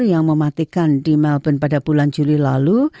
yang mematikan di melbourne pada bulan juli lalu